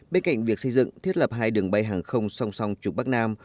bên cạnh việc xây dựng thiết lập hai đường bay hàng không song song trục bắc nam